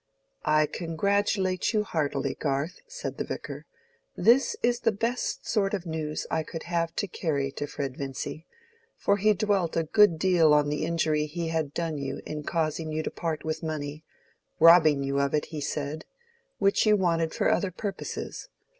"I congratulate you heartily, Garth," said the Vicar. "This is the best sort of news I could have had to carry to Fred Vincy, for he dwelt a good deal on the injury he had done you in causing you to part with money—robbing you of it, he said—which you wanted for other purposes.